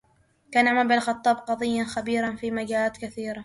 كان عمر بن الخطاب قاضيًا خبيرًا في مجالات كثيرة